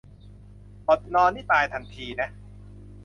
อดนอนนี่ตายทันทีนะ